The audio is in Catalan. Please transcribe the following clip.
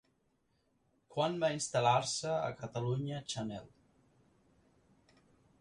Quan va instal·lar-se a Catalunya Chanel?